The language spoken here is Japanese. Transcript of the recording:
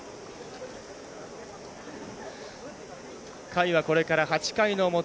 回はこれから８回の表。